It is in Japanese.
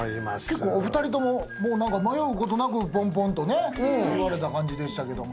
結構お二人とも迷うことなくポンポンとね言われた感じでしたけども。